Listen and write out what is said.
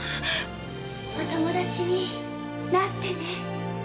お友達になってね。